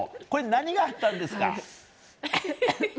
これ、何があったんですか？